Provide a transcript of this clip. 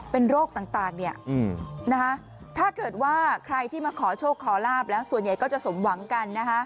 เป็นโรคต่างถ้าเกิดว่าใครที่มาขอโชคขอลาบแล้วส่วนใหญ่ก็จะสมหวังกัน